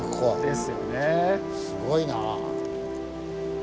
すごいな。